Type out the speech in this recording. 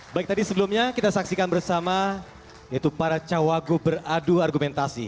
baik tadi sebelumnya kita saksikan bersama yaitu para cawagu beradu argumentasi